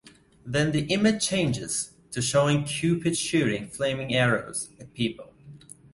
Then the image changes to showing cupid shooting flaming arrows at people.